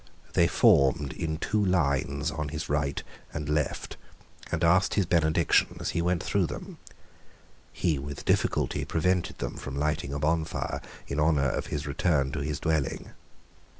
They formed in two lines on his right and left, and asked his benediction as he went through them. He with difficulty prevented them from lighting a bonfire in honour of his return to his dwelling.